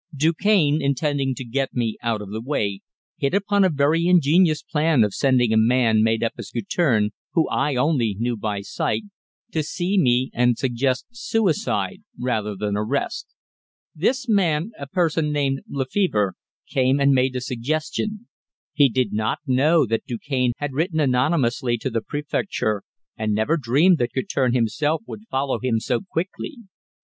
Du Cane, intending to get me out of the way, hit upon a very ingenious plan of sending a man made up as Guertin whom I only knew by sight to see me and suggest suicide rather than arrest. This man a person named Lefevre came and made the suggestion. He did not know that Du Cane had written anonymously to the Préfecture, and never dreamed that Guertin himself would follow him so quickly.